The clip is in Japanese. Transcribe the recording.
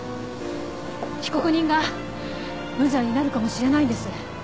被告人が無罪になるかもしれないんです。